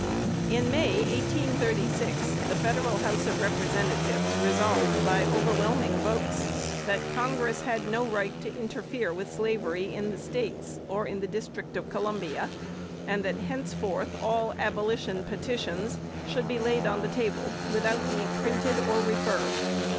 In May, 1836, the Federal House of Representatives resolved, by overwhelming votes, that Congress had no right to interfere with slavery in the States, or in the District of Columbia, and that henceforth all abolition petitions should be laid on the table without being printed or referred.